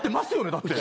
だって。